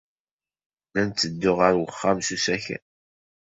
La n-ttedduɣ ɣer uxxam s usakal.